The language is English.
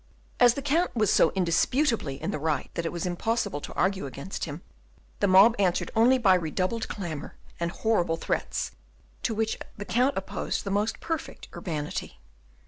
As the Count was so indisputably in the right that it was impossible to argue against him, the mob answered only by redoubled clamour and horrible threats, to which the Count opposed the most perfect urbanity.